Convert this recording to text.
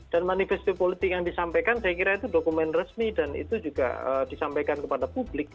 dan manifesto politik yang disampaikan saya kira itu dokumen resmi dan itu juga disampaikan kepada publik